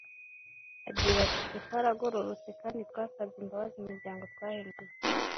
Agira ati “Twe twaragororotse kandi twasabye imbabazi imiryango twahemukiye